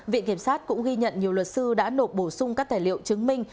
viện kiểm sát cũng ghi nhận nhiều luật sư đã nộp bổ sung các tài liệu chứng minh